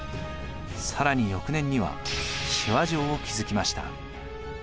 更に翌年には志波城を築きました。